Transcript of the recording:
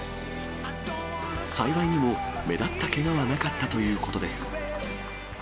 幸いにも目立ったけがはなかったということです。